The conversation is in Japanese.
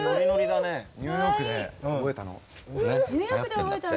ニューヨークで覚えたの。